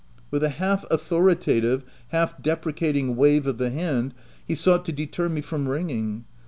With a half authoritative, half de precating wave of the hand, he sought to deter me from ringing.